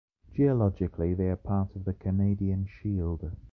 Geologically they are part of the Canadian Shield.